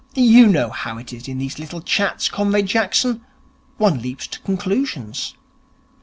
You know how it is in these little chats, Comrade Jackson. One leaps to conclusions.